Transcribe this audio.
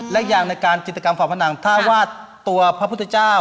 และอย่างในการจิตกรรมฝาผนังถ้าวาดตัวพระพุทธเจ้า